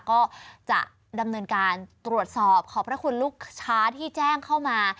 ก็จะดำเนินการตรวจสอบขอบพระคุณลูกค้าที่แจ้งเข้ามา